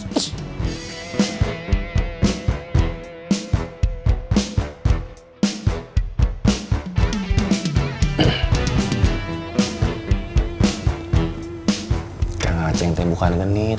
kakak ngaceng teh bukan genit